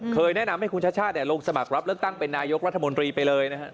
แนะนำให้คุณชาติชาติลงสมัครรับเลือกตั้งเป็นนายกรัฐมนตรีไปเลยนะครับ